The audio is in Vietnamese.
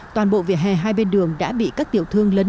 toàn bộ vỉa hè hai bên đường đã bị các tiểu thương lấn